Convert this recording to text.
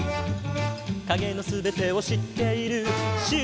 「影の全てを知っている」